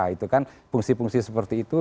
itu kan fungsi fungsi seperti itu